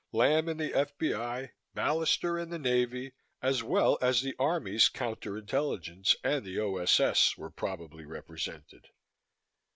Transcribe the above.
Lamb and the F.B.I., Ballister and the Navy, as well as the Army's counter intelligence and the O.S.S., were probably represented.